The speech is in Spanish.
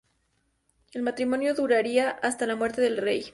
El matrimonio duraría hasta la muerte del rey.